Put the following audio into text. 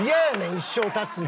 一生勃つの。